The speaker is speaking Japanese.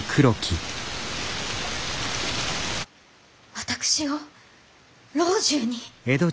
私を老中に。